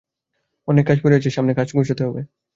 অনেক কাজ পড়ে আছে সামনে কাজ গোছাতে হবে।